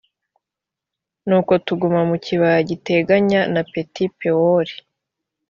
nuko tuguma mu kibaya giteganye na beti-pewori.